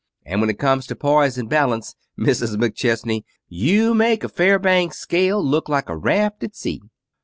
And when it comes to poise and balance, Mrs. McChesney, you make a Fairbanks scale look like a raft at sea."